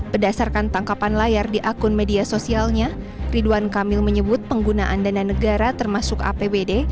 berdasarkan tangkapan layar di akun media sosialnya ridwan kamil menyebut penggunaan dana negara termasuk apbd